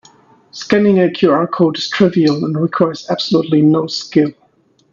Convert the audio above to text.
Scanning a QR code is trivial and requires absolutely no skill.